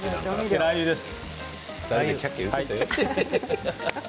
ラー油です。